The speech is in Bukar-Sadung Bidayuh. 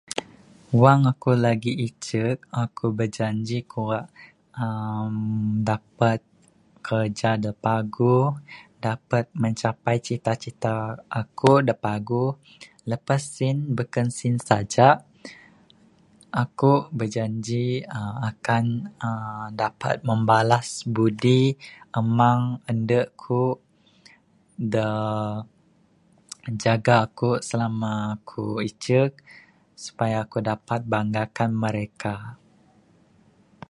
Wang akuk lagi icuk, akuk bejanji akuk rak uhh dapat kerja da paguh. Dapat mencapai cita-cita akuk da paguh. Lepas sen, bekun sen saja. Akuk bejanji uhh akan uhh dapat membalas budi amang andu' kuk da jaga akuk slama ku icuk supaya ku dapat banggakan mereka.